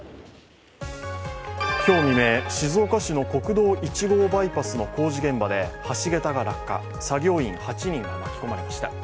今日未明、静岡市の国道１号バイパスの工事現場で橋桁が落下、作業員８人が巻き込まれました。